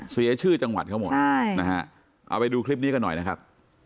เสียชื่อจังหวัดเขาหมดใช่นะฮะเอาไปดูคลิปนี้กันหน่อยนะครับ